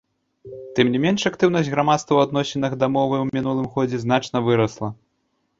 Тым не менш актыўнасць грамадства ў адносінах да мовы ў мінулым годзе значна вырасла.